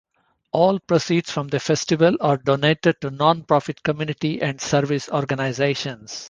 All proceeds from the Festival are donated to non-profit community and service organizations.